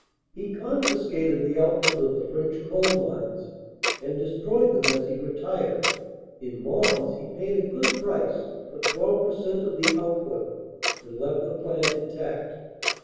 He confiscated the output of the French coal mines and destroyed them as he retired; in Mons he paid a good price for 12% of the output and left the plant intact.